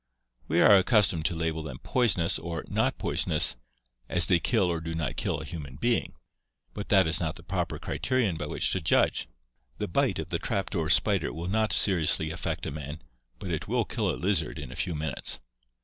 We are accustomed to label them 'poisonous' or 'not poisonous/ as they kill or do not kill a human being; but that is not the proper criterion by which to judge. The bite of the trap door spider will not seriously affect a man, but it will kill a lizard in a few minutes.